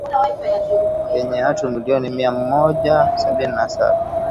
yenye watu milioni mia Mmoja sabini na saba